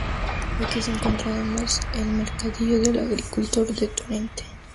Aquí se encuentra además el Mercadillo del Agricultor de Tacoronte.